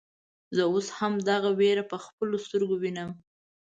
زه اوس هم دغه وير په خپلو سترګو وينم.